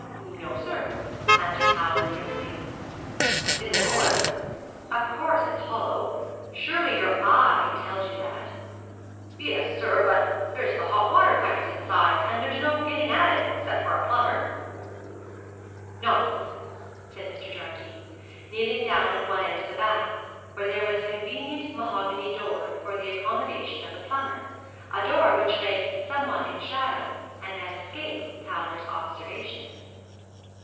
'No, sir,' answered Towler, briskly. 'Is it 'oller?' 'Of course it's hollow. Surely your eye tells you that.' 'Yes, sir; but there's the hot water pipes inside and there's no getting at it, except for a plumber.' 'Nonsense,' said Mr. Jardine, kneeling down at one end of the bath, where there was a convenient mahogany door for the accommodation of the plumber, a door which lay somewhat in shadow, and had escaped Towler's observation.